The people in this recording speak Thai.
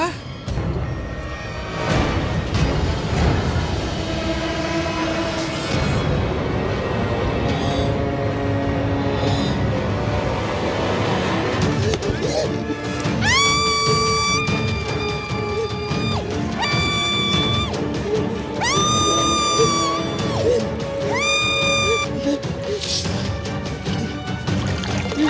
เฮ้ย